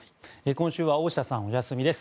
今週は大下さんがお休みです。